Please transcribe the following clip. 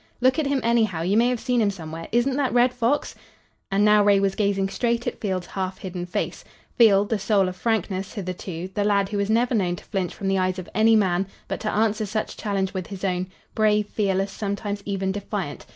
"Look at him anyhow. You may have seen him somewhere. Isn't that Red Fox?" And now Ray was gazing straight at Field's half hidden face. Field, the soul of frankness hitherto, the lad who was never known to flinch from the eyes of any man, but to answer such challenge with his own, brave, fearless, sometimes even defiant.